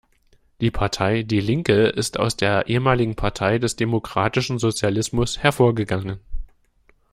Die Partei die Linke ist aus der ehemaligen Partei des Demokratischen Sozialismus hervorgegangen.